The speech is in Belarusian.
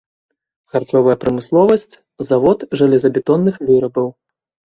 Харчовая прамысловасць, завод жалезабетонных вырабаў.